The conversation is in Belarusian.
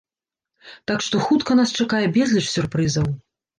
Так што хутка нас чакае безліч сюрпрызаў.